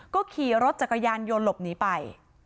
ก็ขี่รถจักรยานยนต์หลบหนีไป